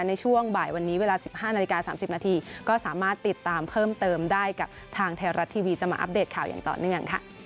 ในช่วงบ่ายวันนี้เวลา๑๕นาฬิกา๓๐นาทีก็สามารถติดตามเพิ่มเติมได้กับทางไทยรัฐทีวีจะมาอัปเดตข่าวอย่างต่อเนื่องค่ะ